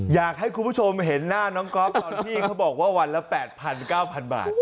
อยากให้คุณผู้ชมเห็นหน้าน้องก๊อฟตอนที่เขาบอกว่าวันละ๘๐๐๙๐๐บาท